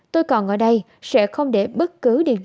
tôi còn ở đây sẽ không để bất cứ điện thoại